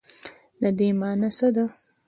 د دې مانا څه ده ؟